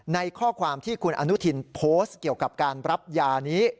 ในข้อความที่คุณอนุทินโพสต์เกี่ยวกับการรับยานี้